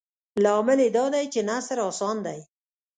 لامل یې دادی چې نثر اسان دی.